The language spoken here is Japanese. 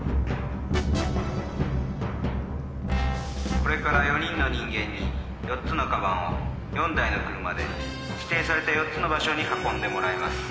これから４人の人間に４つの鞄を４台の車で指定された４つの場所に運んでもらいます。